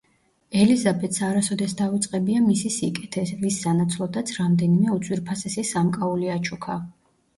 ელიზაბეთს არასოდეს დავიწყებია მისი სიკეთე, რის სანაცვლოდაც რამდენიმე უძვირფასესი სამკაული აჩუქა.